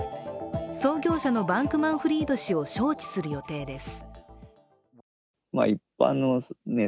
創業者のバンクマンフリード氏を招致する予定です。